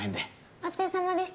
お疲れさまでした。